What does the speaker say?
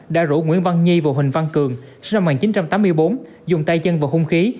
đã rủ nguyễn văn nhi và huỳnh văn cường sinh năm một nghìn chín trăm tám mươi bốn dùng tay chân vào hung khí